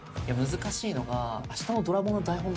難しいのが。